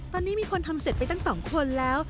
ตอนนี้มีคนทำเสร็จไปตั้ง๒คนแล้ว